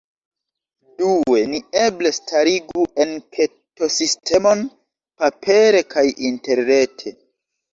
Due, ni eble starigu enketo-sistemon, papere kaj interrete.